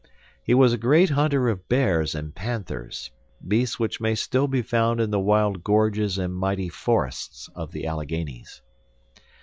He was a great hunter of bears and panthers, beasts which may still be found in the wild gorges and mighty forests of the Alleghanies.